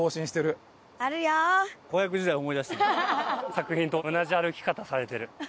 作品と同じ歩き方されてる。